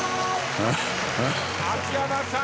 秋山さん